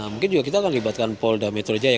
mungkin juga kita akan melibatkan pol dametro jaya